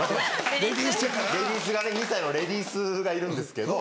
２歳のレディースがいるんですけど。